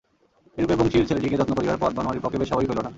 এইরূপে বংশীর ছেলেটিকে যত্ন করিবার পথ বনোয়ারির পক্ষে বেশ স্বাভাবিক হইল না।